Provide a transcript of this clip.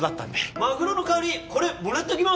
マグロの代わりこれもらっておきます！